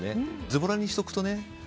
ずぼらにしとくとね。